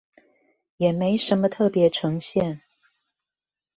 也沒什麼特別呈現